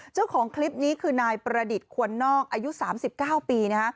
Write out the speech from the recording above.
เจ้าของคลิปนี้คือนายประดิษฐ์ควรนอกอายุ๓๙ปี